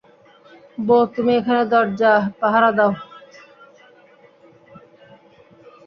বোহ, তুমি এখানে দরজা পাহারা দাও।